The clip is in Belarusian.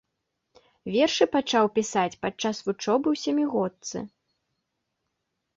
Вершы пачаў пісаць падчас вучобы ў сямігодцы.